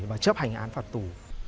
và chấp hành án phạt tù